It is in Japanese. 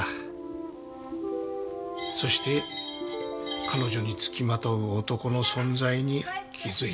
そして彼女につきまとう男の存在に気づいた。